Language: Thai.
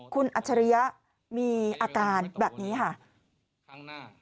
คุณอัจฉริยะมีอาการแบบนี้ค่ะ